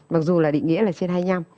mặc dù là định nghĩa là trên hai mươi năm